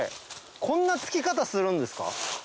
こんなつき方するんですか？